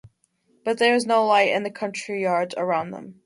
But there is no light in the courtyards around them.